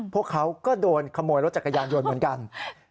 พวกเขาก็โดนขโมยรถจักรยานยนต์เหมือนกัน